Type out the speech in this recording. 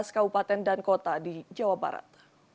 kaupaten dan kota di jawa barat